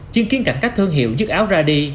chứng kiến cảnh các thương hiệu như áo ra đi